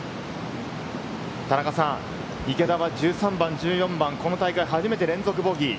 田中さん、池田は１３番、１４番、この大会初めて連続ボギー。